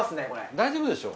大丈夫でしょ？